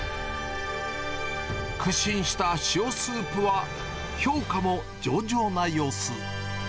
苦心した塩スープは評価も上々な様子。